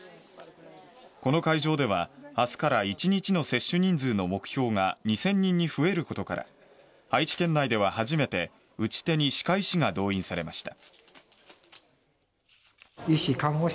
この会場ではあすから１日の接種人数の目標が２０００人に増えることから愛知県内では初めて打ち手に歯科医師が動員されました。